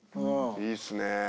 いいっすね。